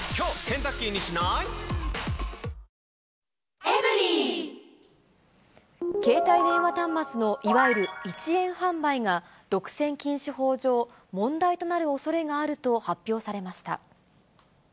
本麒麟携帯電話端末のいわゆる１円販売が、独占禁止法上、問題となるおそれがあると発表されました。